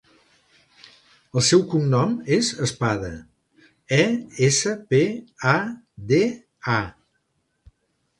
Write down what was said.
El seu cognom és Espada: e, essa, pe, a, de, a.